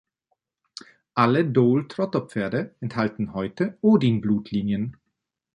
Alle Dole-Trotter-Pferde enthalten heute Odin-Blutlinien.